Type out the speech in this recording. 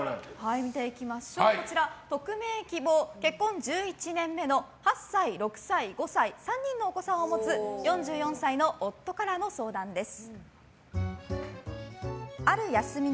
見ていきましょう匿名希望、結婚１１年目の８歳、６歳、５歳の３人のお子さんを持つ４４歳の夫からの相談です。